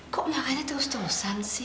kok makanya terus terusan sih